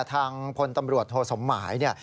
ทางพลตำรวจโทสมหมายเนี่ย